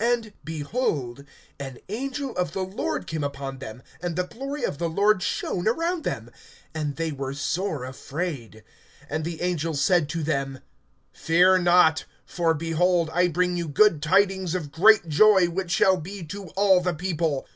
(9)And, behold, an angel of the Lord came upon them, and the glory of the Lord shone around them; and they were sore afraid. (10)And the angel said to them: Fear not; for, behold, I bring you good tidings of great joy, which shall be to all the people.